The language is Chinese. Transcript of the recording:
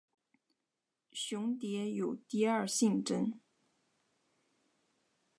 雄蝶有第二性征。